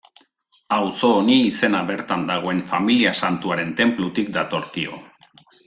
Auzo honi izena bertan dagoen Familia Santuaren tenplutik datorkio.